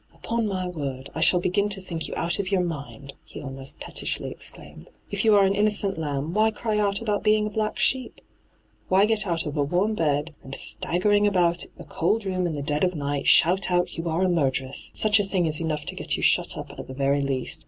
' Upon my word, I shall begin to think you out of your mind !' he almost pettishly exclaimed. ' If you are an innocent lamb, why cry out about being a black sheep ? Why get out of a warm bed and, staggering about a cold room in the dead of night, shout out you are a murderess ? Such a thing is enough to get you shut up at the very least.